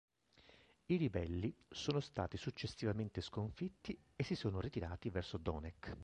I ribelli sono stati successivamente sconfitti e si sono ritirati verso Donec'k.